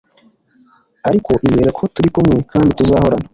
ariko izere ko turi kumwe kandi tuzahorana